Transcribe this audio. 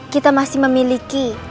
kita masih memiliki